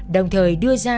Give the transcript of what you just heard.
đồng thời đưa ra